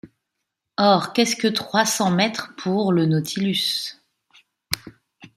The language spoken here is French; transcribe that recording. Or, qu’est-ce que trois cents mètres pour le Nautilus ?